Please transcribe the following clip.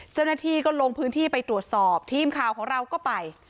เจ้าหน้าที่ก็ลงพื้นที่ไปตรวจสอบทีมข่าวของเราก็ไป